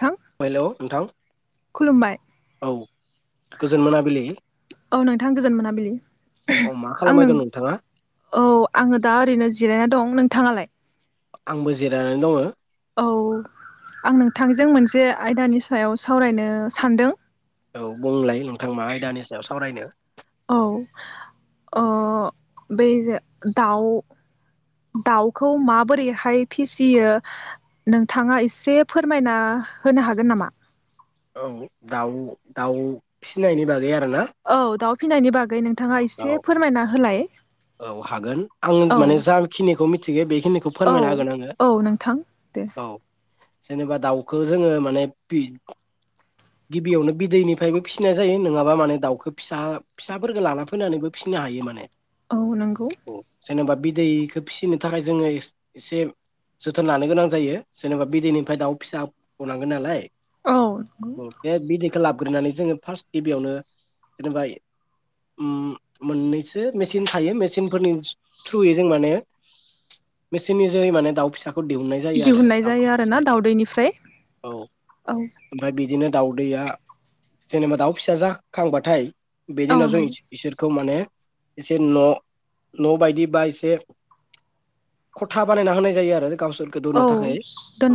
थां हेलौ नोंथां खुलुमबाय। औ गोजोन मोनाबिलि औ नोंथां गोजोन मोनाबिलि औ मा [unintelligible] आं खालामबाय नों दं नोंथाङा औ आङो दा ओरैनो जिरायना दं नों थाङालाय । आंबो जिरायनानै दङो । औ आं नोंथांजों मोनसे आयदानि सायाव सावरायनो सानदों । औ बुंलाय नोंथां मा आयदानि सायाव सावरायनो । औ अ बै दाउ दाउखौ माबोरैहाय फिसियो नोंथाङा एसे फोरमायना होनो हागोन नामा? औ दाउ-दाउ फिनायनि बागै आ औ दाउ फिनायनि बागै नों थाङा औ एसे फोरमायना होलाय । औ हागोन आङो माने जाखिनिखौ मिथिगो बेखिनिखौ औ फोरमायना होगोन आङो औ नोंथां दे औ । जेनेबा दाउखो जोङो माने बि गिबियावनो बिदैनिफ्रायबो फिसिनाय जायो नङाबा माने दाउखो फिसा फिसाफोरखो लाना फैनानैबो फिनो हायो माने । औ नंगौ । जेनेबा बिदैखो फिनो थाखाय जोङो एस एसे जोथोन लानो गोनां जायो जेनेबा बिदैनिफ्राय दाउ फिसा गनांगोन नालाय। औ [unintelligible] बे बिदै थोलाबग्रोनानै जोङो फार्स गिबियावनो [unintelligible] अम मोनैसो मेस चिन थायो मेचिनफोरनि थ्रुयै जों माने मेचिननि जोहै माने दाउ फिसा खौ दिहुननाय जायो आरो दिहुननाय जायो आरोना दाउदैनिफ्राय दाउदैनिफ्राय औ औ ओमफ्राय बिदिनो दाउदैया जेनेबा दाउ फिसा जाखांबाथाय बेनि औ उनाव जों नंगौ इसो इसोर खौ माने एसे न न बायदि बा एसे खथा बानायना होनाय जायो आरो गावसोरखो औ दुनो थाखाय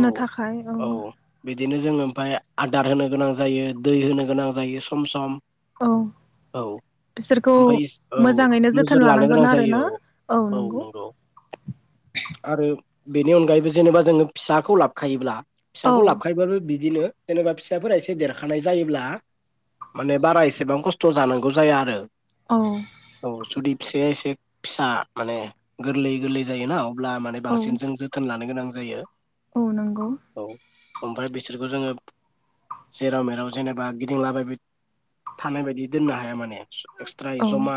औ थाखाय औ बि बिदिनो जोङो ओमफाय आदार होनो गोनां जायो दै होनो गोनां जायो सम सम । औ बिसोरखौ ओमफाय औ मोजाङै नो नोजोर जोथोन लानो गोनां लानांगोन आरोना जायो औ नंगौ । आरो बेनि अनगायैबो जेनेबा जोङो फिसाखौ लाबखायोब्ला औ फिसाखौ लाबखायोबाबो बि बिदिनो जेनेबा फिसाफोरा एसे देरखानाय जायोब्ला माने बारा एसेबां खस्थ जानांगौ जाया आरो । औ । औ जुदि फिसाया एसे फिसा माने गोरलै-गोरलै जायोना अ ब्ला माने औ बांसिन जों जोथोन लानोगोनां जायो । औ नंगौ । ओमफाय बिसोरखो जोङो जेराव मेराव जेनेबा गिदिंलाबायबाय थानाय बायदि दोननो हाया माने । एक्सट्रायै औ जमा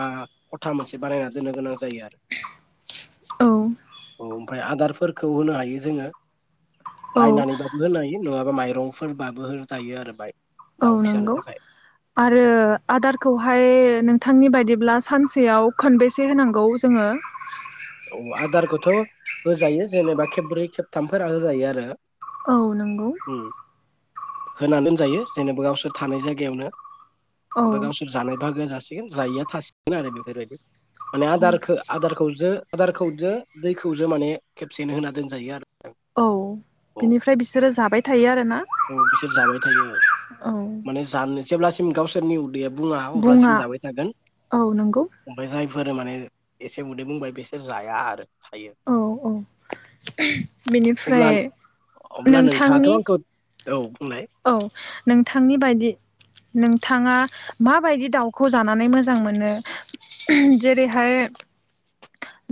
खथा मोनसे बानायना दोननो गोनां गैया औ उम आदारफोरखौ होनो हायो जोङो औ बायनानै बाबो दोननो हायो माइरंफोरबाबो जायोथद आरो बायतपपप औ नंगौ आरो आदारखौहाय नोंथांनि बायदि अब्ला सानसेयाव खनबेसे होनांगौ जोङो औ आदारखौथ' होजायो जेनेबा खेब्रै खेबथामफोरा होजायो आरो औ नंगौ होना दोनजायो जेनेबा गावसोर थानाय जायगायावनो औ बा गावसोर जानो बागो जासिगोन जायिया थासिगोन आरो बेफोरबायदि माने औ आदारखौ आदारखौ जो आदारखौजो दैखौजो माने खेबसेनो होना दोनजायो आरो औ औ बिनिफ्राय बिसोरो जाबाय थायो आरोना औ बिसोर जाबाय थायो औ माने जानो जेब्लासिम गावसोरनि उदैया बुङा अब्लासिम जाबाय थागोन औ नंगौ ओमफ्राय जाय फोर माने एसे उदै बुंबाय बेसे जाया आरो थायो औ औ बेनिफ्राय अब्ला अब्ला नोंथाङाथ' नोंथांनि आंखौ औ बुंनाय औ नोंथांनि बायदि नोंथाङा माबायदि दाउखौ जानानै मोजां मोनो जेरैहाय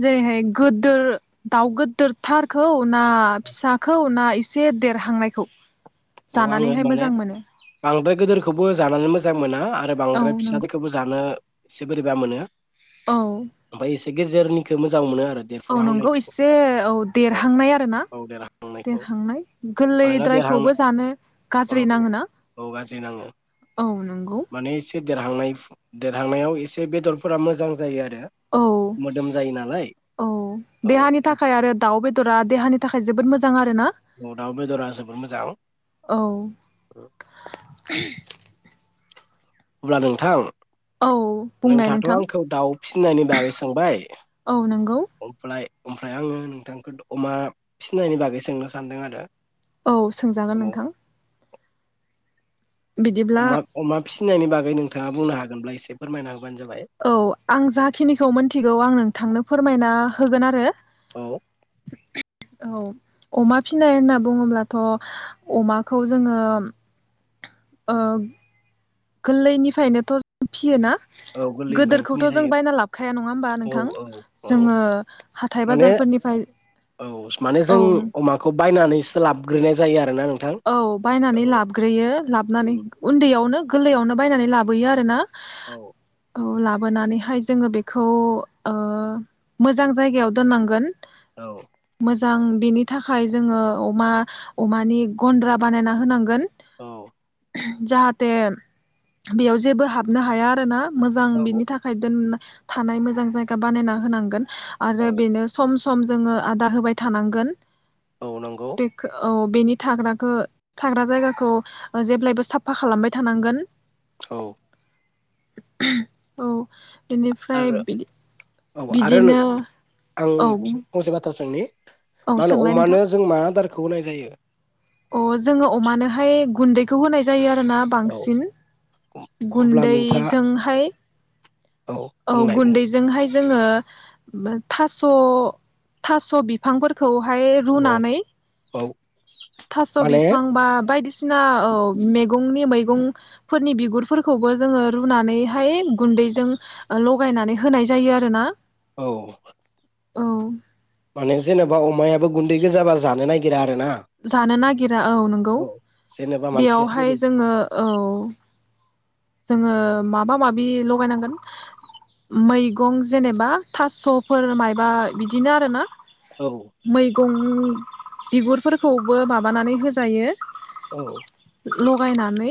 जेरैहाय गोदोर दाउ गोदोर थारखौ ना फिसाखौ ना इसे देरहांनायखौ? औ आङो जानानैहाय माने मोजां मोनो बांद्राय गोदोरखौबो जानानै मोजां मोना आ औ बांद्राय नंगौ फिसाफोरखौबो जानो नो एसे बोरैबा मोनो औ गेजेरनिखो मोजां मोनो आरो औ नंगौ देरफुहांनायखौ एसे औ देरहांनाय आरो ना औ देरहांनायखौ देरहांनाय मानोना देरहांनो गोरलैद्रायखौबो जानो औ गाज्रि नाङोना औ गाज्रि नाङो औ नंगौ माने एसे देरहांनाय देरहांनायाव एसे बेदरफोरा मोजां जायो आरो औ मोदोम जायो नालाय औ देहानि औ थाखाय आरो दाउ बेदरा देहानि थाखाय जोबोद मोजां आरो दाउ बेदरा जबोर मोजां औ अब्ला नोंथां औ बुंनाय नोंथाङाथ' नोंथां आंखौ दाउ फिनायनि बागै सोंबाय औ नंगौ अमप्लाय अमफ्राय आङो नोंथांखौ द अमा फिनायनि बागै सोंनो सानदों आरो। औ सोंजागोन औ नोंथां बिदिब्ला फिनायनि बागै नोंथाङा बुंनो हागोनब्ला एसे फोरमायना हो औ आं जाखिनिखौ मोनथिगौ आं नोंथांनो फोरमायना होगोन आरो औ औ अमा फिनाय होनना बुङोब्लाथ' अमाखौ जोङो ओग गोललैनिफायनोथ' जों फियो ना? औ गोरलैनिफायनो फिनाय जायो नङा होमबा नोंथां औ औ औ जोङो हाथाय माने बाजारफोरनिफ्राय औ माने औ जों अमाखौ बायनानै सोलाब ग्रोनाय जायो आ औ बायनानै लाबग्रोयो लाबनानै उन्दैयावनो गोललैयावनोब बायनानै लाबोयो आरोना औ औ लाब बोनानैहाय जोङो बेखौ ओ मोजां जायगायाव दोननांगोन औ मोजां बेनि थाखाय जोङो अमा अमानि गन्द्रा बानायना होनांगोन औ जाहाथे बेयाव जेबो हाबनो हाया आरोना। मोजां औ बिनि थाखाय दोनना थानाय मोजां जायगा बानायना होनांगोन। औ आरो बेनो सम सम जोङो आदार होबाय थानांगोन। औ नंगौ बे खो औ। बेनिथ थाग्राखो थाग्रा जायगाखौ ओ जेब्लायबो साबफा खालामबाय थानांगोन। औ। औ। बेनिफ्राय आरो बिदि औ आरो बिदिनो औ। आं फंसे बाथ्रा सोंनि औ मा होनो सोंलाय नोंथां अमानो जों मा आदार खौ होनाय जायो? खौ होनाय जायो आ रोना औ बांसिन अब्ला नोंथाङा गुन्दैजोंहाय। औ बुंनाय बुं गुन्दैजोंहाय जोङो थास' थास' बिफांफोरखौ ओमफ्राय औ रुनानै। औ थास' माने बिफां बा बायदिसिना औ मैगंनि मैगं फोरनि बिगुरफोरखौबो जोङो रुनानैहाय गुन्दैजों लगायनानै होनाय जायो आरोना। औ औ माने जेनेबा अमायाबो गुन्दै गोजाबा जानो नागिरा । जानो नागिरा औ नोंगौ जेनेबा मानसिया बेयावहाय जेरै जोङो औ। जोङो माबा माबि लगायनांगोन मैगं जेनेबा थास'फोर माबा बिदिनो आरोना। औ मैगं ओम बिगुरफोरखौबो माबानानै होजायो। औ बायनानै।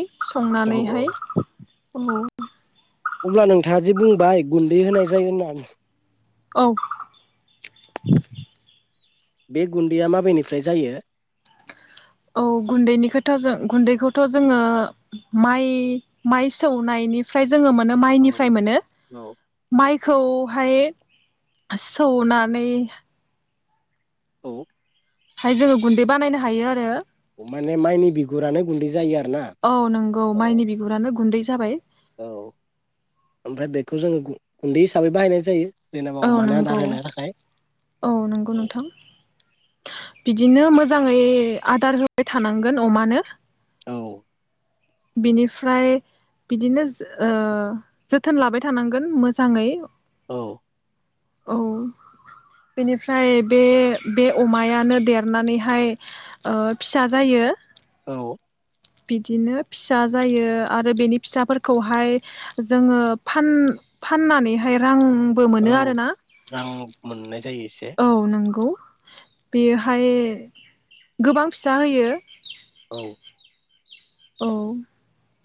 औ औ संनानैहाय। औ अब्ला नोंथाङा जे बुंबाय गुन्दै होनाय जायो होननानै औ। बे गुन्दैया माबेनिफ्राय जायो? औ गुन्दैनि खोथा जों गुन्दैखौथ' जोङो माइ माइ सौनायनिफ्राय जोंङो मोनो औ माइनिफ्राय मोनो। औ माइ खौहाय सौनानै औ खौहाय जोंङो गुन्दै बानायनो हायो आरो माने माइनि बिगुरानो गुन्दै जायो आरो ना औ नंगौ औ माइनि बिगुरानो गुन्दै जाबाय औ ओमफ्राय बेखौ जोङो गुन्दै हिसाबै बाहायनाय जायो जेनेबा औ अमानो नंगौ आदार होनो थाखाय औ नंगौ औ नोंथां बिदिनो मोजांङै आदार होबाय थानांगोन अमानो औ बिनिफ्राय बिदिनो ओ जोथोन लाबाय थानांगोन मोजाङै औ औ बेनिफ्राय बे बे अमायानो देरनानैहाय ओ फिसा जायो औ बिदिनो फिसा जायो आरो बेनि फिसाफोरखौहाय जोङो फान फानना नैहाय रां औ रां मोननाय जायो एसे। औ नंगौ बेहाय गोबां फिसा होयो औ औ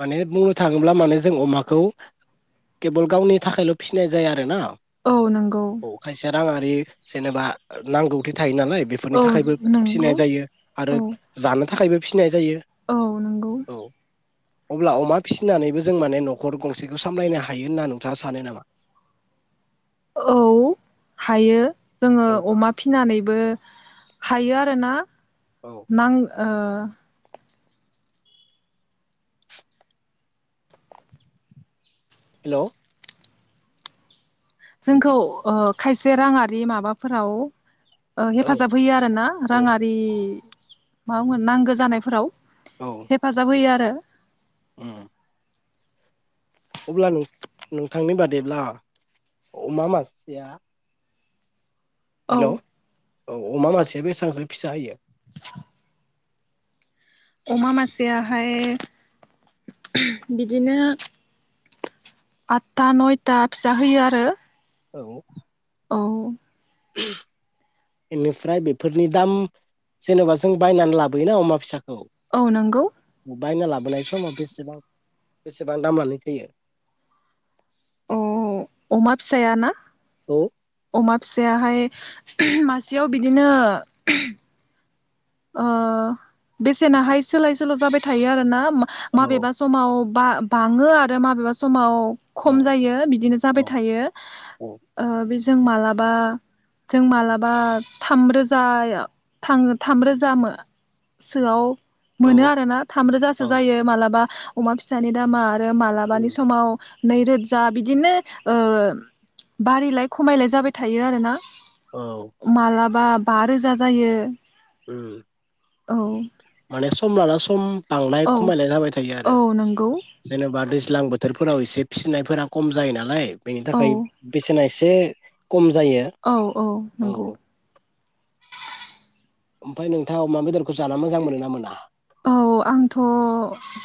माने बुंनो थाङोब्ला माने जों अमाखौ केबोल गावनि थाखायल' फिसिनाय जाया आरो न' औ नंगौ राङारि जेनेबा नांगौथि थायो नालाय बेफोरनि औ थाखायबो फिसिनाय नंगौ जायो आरो औ जानो थाखायबो फिसिनाय जायो औ नंगौ औ अब्ला अमा फिसिनानैबो जों माने न'खर गंसेखौ सामलायनो हायो होनना नोंथाङा सानो नामा? औ हायो जोङो औ अमा फिनानैबो हायो आरो ना औ नां ओ हेल जोंखौ खायसे राङारि माबाफोराव औ हेफाजाब होयो आर ना राङारि मा बुगोन नांगो जानायफोराव औ हेफाजाब होयो आरो [inaudible] उम अब्ला नोंथांनि बादैब्ला अमा मासेया औ अमा मानसिया बेसेबांसो फिसा होयो अमा मासेयाहाय बिदिनो आठथा नयथा फिसा होयो आरो औ औ बेनिफ्राय बेफोरनि दाम जेनेबा जों बायनानै लाबोयोना अमा फिसाखौ औ नंगौ बायना लाबोनाय समाव बेसेबां बेसेबां दामानो थोयो अमा फिसायाना औ अमा फिसायाहाय मासेयाव बिदिनो बेसेनाहाय सोलाय सोल जाबाय थायो आरो ना औ माबेबा समाव बा-बाङो आरो माबेबा समाव खम औ जायो बिदिनो जाबाय औ थायो। औ जों मालाबा जों मालाबा थाम रोजाया थाम रोजा जामो सोआव मोनो आरोना थाम औ रोजासो जायो मालाबा अमा फिसानि दामा ओ मालाबानि उम समाव नैरोजा बिदिनो ओ बारिलाय खमायलाय जाबाय थायो आरोना औ मालाबा बा रोजा जायो। उम औ माने सम लाना सम बांनाय औ खमायनाय जाबाय थायो औ आरो नंगौ जेनेबा दैज्लां बोथ बोथोरफोराव एसे फिसिनायफोरा खम जायो नालाय बेनि औ थाखाय बेसेना एसे जे औ औ नंगौ ओमफाय नोंथाङा अमा बेदरखौ जाना मोजां मोनो ना मोना? औ आंथ'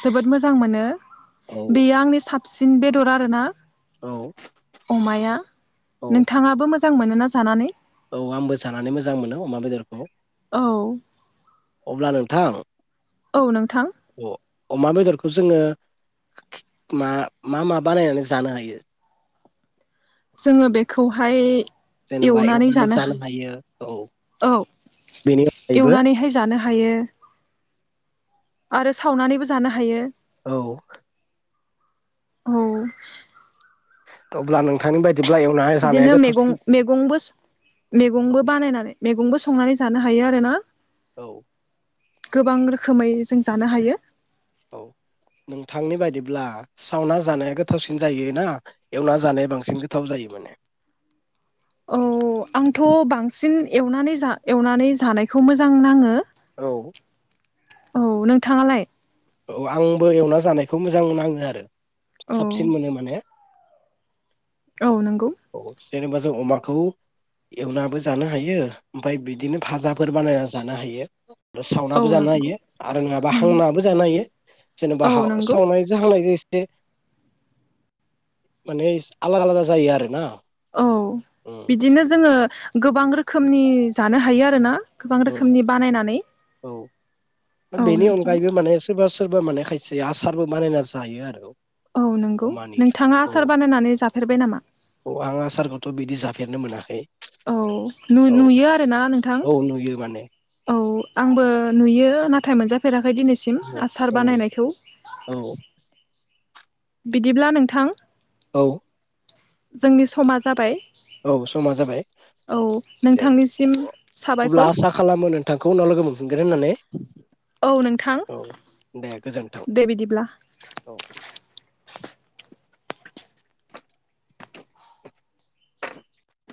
जोबोद मोजां मोनो औ बेयो आंनि सा सिन बेदर आरोना औ अमाया औ नोंथाङाबो मोज जां मोनोना जानानै? औ आंबो जानानै मोजां मोनो अमा बेदरखौ औ अब्ला नों थां औ नोंथां अ-अमा बेदरखौ जोङो मा मा मा बानायनानै जानो हायो? जोङो बेखौहाय जेन'बा एवनानै जानो हा हायो औ औ बेनि अनगायैबो एवनानैहाय जानो हायो। आरो सावनानैबो जानो हायो । औ औ अब्ला नोंथांनि बायदि बिदिनो मेगं मेगंबो सं मेगंबो बानायनानै मेगंबो सं संनानै जानो हायो आरो ना औ गोबां रोख खोमै जों जानो हायो ब्ला सावना जानाया गोथावसिन जायो ना एवना जानाया बांसिन गोथाव जायो माने? औ आंथ' बांसिन एवनानै जा एवनानै जानायखौ मोजां नाङो औ औ नोंथाङालाय? औ आंबो एवना जानायखौ मोजां नाङो आरो औ साबसिन मोनो माने औ नंगौ औ जेनेबा जों अमाखौ एवनाबो जानो हायो ओमफाय बिदिनो फाजाफोर बानायना जानो हायो। औ सावउनाबो जानो नंगौ हायो आरो नङाबा नों हांनाबो जानो हायो जेनेबा औ हा नंगौ सावनायजो हांनायजो माने आलादा आलादा जायो आरोना औ उम बिदिनो जोङो गोबां रोखोमनि जानो हायो आरो ना गोबां उम रोखोमनि बानायनानै औ औ बेनि नोंथां अनगायैबो माने सोरबा सोरबा माने खायसे आसारबो बानायना जायो आरो औ नंगौ अमानि नोंथाङा औ आसार बानायनानै जाफेरबाय नामा? फेरनो मोनाखै औ नु औ नुयो आरोना नोंथां औ नुयो माने औ आंबो नुयो ना थाइ मोजाफेरा फाय दिनैसिम औ आसार औ बानायनायखौ औ बिदिब्ला नोंथां औ जोंनि समा जाबाय औ समा जाबाय औ दे नोंथांनिसिम अ-अब्ला साबायखर आसा खालामो नो थांखौ उनाव लोगो मोनफिनगोन होननानै । औ नोंथां दे गोजोन्थों दे बिदिब्ला औ ।